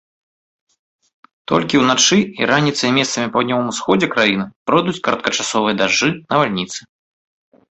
Толькі ўначы і раніцай месцамі па паўднёвым усходзе краіны пройдуць кароткачасовыя дажджы, навальніцы.